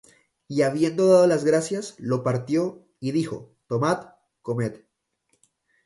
Y habiendo dado gracias, lo partió, y dijo: Tomad, comed: